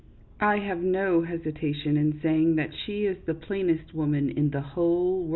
I have no hesitation in saying that she is the plainest woman in the whole world."